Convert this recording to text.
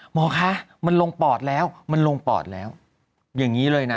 หมอคะมันลงปอดแล้วมันลงปอดแล้วอย่างนี้เลยนะ